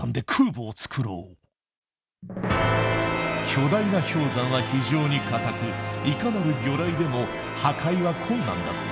巨大な氷山は非常に硬くいかなる魚雷でも破壊は困難だった。